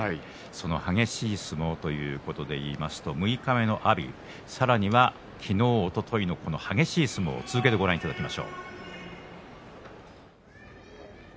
激しい相撲ということで言いますと六日目の阿炎、さらには昨日おとといの激しい相撲を続けてご覧いただきます。